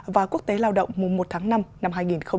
và quốc tế lao động mùa một tháng năm năm hai nghìn hai mươi bốn